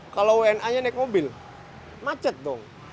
kalau wna nya naik mobil macet dong